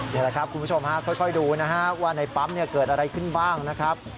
นี่แหละครับคุณผู้ชมฮะค่อยดูนะฮะว่าในปั๊มเกิดอะไรขึ้นบ้างนะครับ